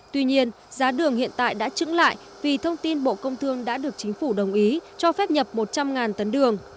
tuy nhiên giá đường hiện tại đã trứng lại vì thông tin bộ công thương đã được chính phủ đồng ý cho phép nhập một trăm linh tấn đường